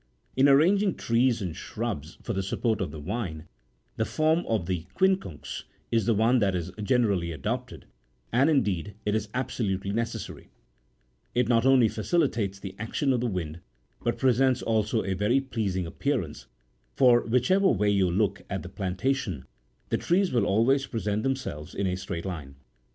62 In arranging trees and shrubs for the support of the vine, the form of the quincunx63 is the one that is gene rally adopted, and, indeed, is absolutely necessary : it not only facilitates the action of the wind, but presents also a very pleasing appearance, for whichever way you look at the plan tation, the trees will always present themselves in a straight line.